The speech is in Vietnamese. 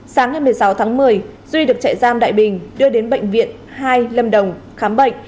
sáng ngày một mươi sáu tháng một mươi duy được trại giam đại bình đưa đến bệnh viện hai lâm đồng khám bệnh